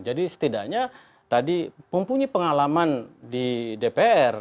jadi setidaknya tadi mempunyai pengalaman di dpr